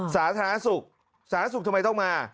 สาธารณสุขสาธารณสุขทำไมต้องมา